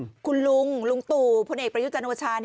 คุณลุงลุงตู่พลเอกประยุจันโอชา